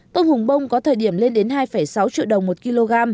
tôm hùm bông có thời điểm lên đến hai sáu triệu đồng một kg